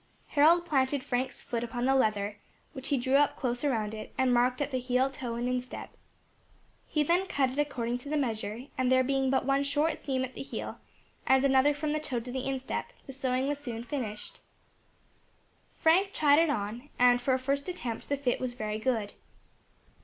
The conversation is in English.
Harold planted Frank's foot upon the leather, which he drew up close around it, and marked at the heel, toe, and instep. He then cut it according to the measure, and there being but one short seam at the heel, and another from the toe to the instep, the sewing was soon finished. Frank tried it on, and for a first attempt the fit was very good.